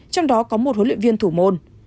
trong đó có một huấn luyện viên thủ môn